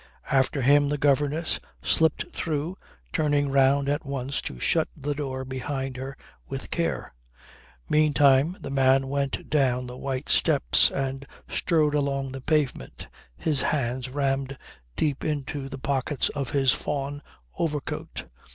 After him the governess slipped through, turning round at once to shut the door behind her with care. Meantime the man went down the white steps and strode along the pavement, his hands rammed deep into the pockets of his fawn overcoat.